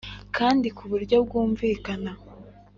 kandi ku buryo bwumvikana.